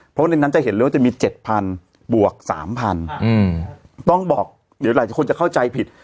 เพราะในนั้นจะเห็นเลยว่าจะมี๗๐๐บวก๓๐๐ต้องบอกเดี๋ยวหลายคนจะเข้าใจผิด